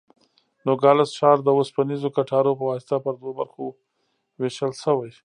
نوګالس ښار د اوسپنیزو کټارو په واسطه پر دوو برخو وېشل شوی.